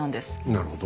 なるほど。